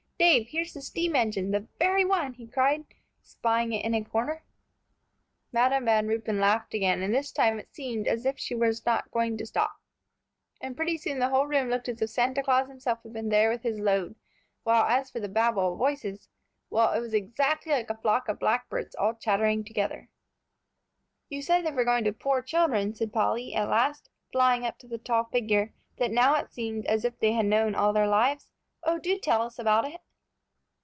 "Dave, here's the steam engine, the very one!" he cried, spying it in a corner. Madam Van Ruypen laughed again, and this time it seemed as if she were not going to stop. And pretty soon the whole room looked as if Santa Claus himself had been there with his load, while as for the babel of voices, well, it was exactly like a flock of blackbirds all chattering together. "You said they were going to poor children," said Polly, at last, flying up to the tall figure that now it seemed as if they had known all their lives. "Oh, do tell us about it."